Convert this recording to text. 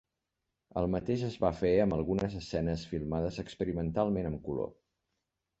El mateix es va fer amb algunes escenes filmades experimentalment amb color.